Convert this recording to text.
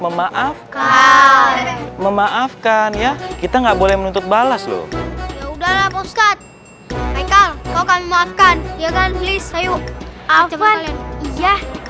namaafk send uno yang minta maafkan hai li haz tinggal alhamdulillah ya openings engkau kita biraz